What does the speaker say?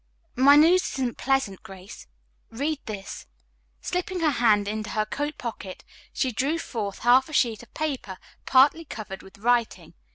"My news isn't pleasant, Grace. Read this." Slipping her hand into her coat pocket she drew forth a half sheet of paper partly covered with writing.